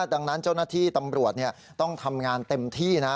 ดังนั้นเจ้าหน้าที่ตำรวจต้องทำงานเต็มที่นะ